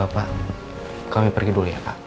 pak kami pergi dulu ya pak